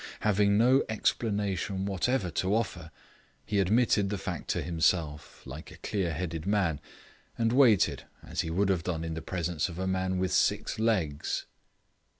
Having no explanation whatever to offer, he admitted the fact to himself, like a clear headed man, and waited as he would have done in the presence of a man with six legs.